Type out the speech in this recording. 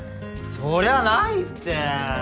そりゃないって。